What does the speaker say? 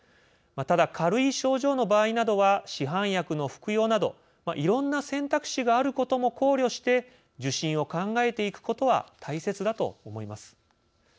ただ軽い症状の場合などは市販薬の服用などいろんな選択肢があることも考慮して受診を考えていくことは大切だと思います。